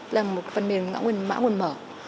là một phần mềm ngõ nguyên mã nguồn mở